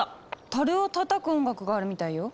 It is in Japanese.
たるをたたく音楽があるみたいよ。